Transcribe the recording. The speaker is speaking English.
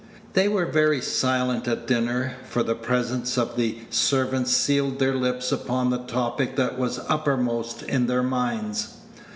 They were very silent at dinner, for the presence of the servants sealed their lips upon the topic that was uppermost in their minds.